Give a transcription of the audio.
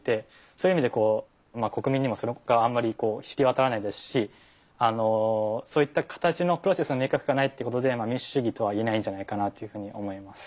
そういう意味で国民にもそれがあまり知り渡らないですしそういった形のプロセスの明確化がないっていうことで民主主義とは言えないんじゃないかなっていうふうに思います。